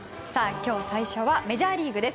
今日最初はメジャーリーグです。